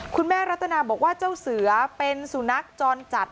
คุณแม่รัตนาบอกว่าเจ้าเสือเป็นสุนัขจรจัด